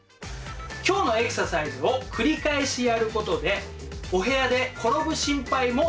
今日のエクササイズを繰り返しやることでお部屋で転ぶ心配も少なくなります。